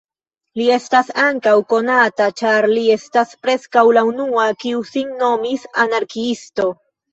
Li estas ankaŭ konata ĉar li estas preskaŭ la unua kiu sin nomis "anarkiisto".